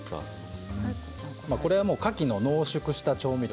これはカキの濃縮した調味料